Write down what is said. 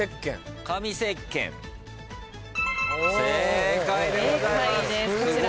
正解でございます。